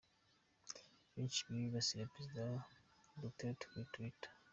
Benshi bibasiriye perezida Duterte kuri Twitter:.